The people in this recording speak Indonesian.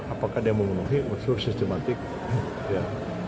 apakah dia memenuhi unsur sistematik ya